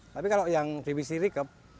tapi kalau yang divisi rike